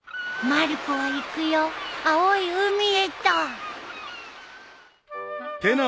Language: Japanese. まる子は行くよ青い海へと。